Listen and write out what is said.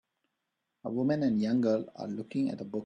A woman and young girl are looking at a book.